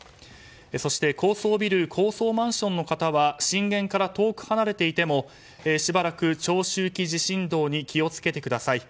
そして高層ビル高層マンションの方は震源から遠く離れていてもしばらく長周期地震動に気を付けてください。